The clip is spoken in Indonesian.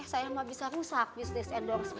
saya bawa ke rumah sakit ya pak